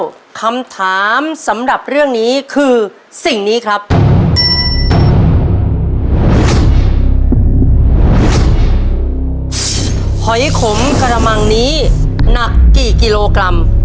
หอยขมกระมังนี้หนักกี่กิโลกรัม